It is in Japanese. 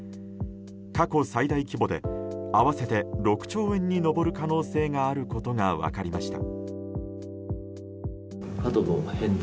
過去最大規模で、合わせて６兆円に上る可能性があることが分かりました。